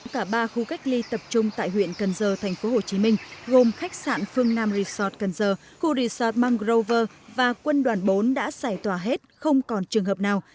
cả ba khu cách ly tập trung tại huyện cần giờ tp hcm gồm khách sạn phương nam resort cần giờ khu resort mangrover và quân đoàn bốn đã giải tỏa hết không còn trường hợp nào